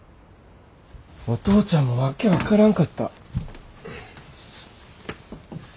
お父ちゃんも訳分からんかった。